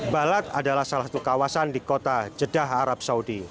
balat adalah salah satu kawasan di kota jeddah arab saudi